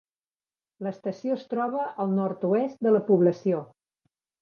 L'estació es troba al nord-oest de la població.